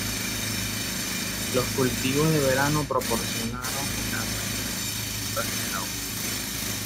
Los cultivos de verano propiciaron la aparición de nuevas obras hidráulicas.